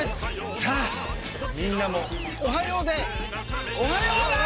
さあみんなもおはようでおはようだ！